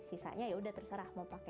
sisanya ya udah terserah mau pakai